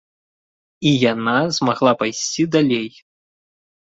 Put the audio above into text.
І яна змагла пайсці далей.